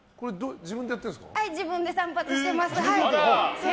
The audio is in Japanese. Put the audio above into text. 自分で散髪してます。